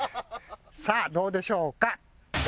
さあどうでしょうか？